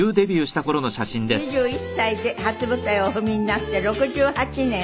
２１歳で初舞台をお踏みになって６８年。